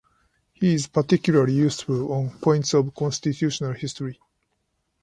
He is particularly useful on points of constitutional history.